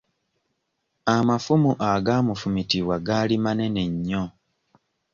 Amafumu agaamufumitibwa gaali manene nnyo.